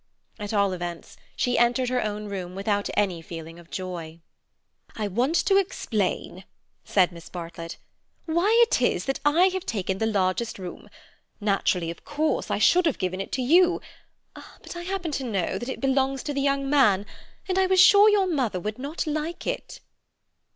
At all events, she entered her own room without any feeling of joy. "I want to explain," said Miss Bartlett, "why it is that I have taken the largest room. Naturally, of course, I should have given it to you; but I happen to know that it belongs to the young man, and I was sure your mother would not like it."